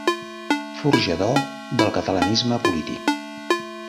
Forjador del catalanisme polític.